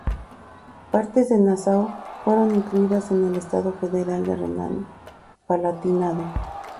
Partes de Nassau fueron incluidas en el estado federado de Renania Palatinado.